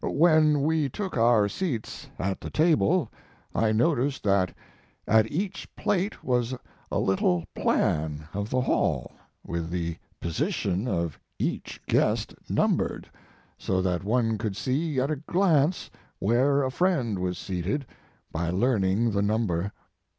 When we took our seats at the table, I noticed that at each plate was a little plan of the hall, with the position of each guest numbered so that one could see at a glance where a friend was seated by learning the num ber.